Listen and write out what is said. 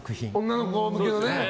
女の子向けのね。